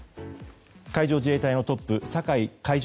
海上自衛隊のトップ酒井海上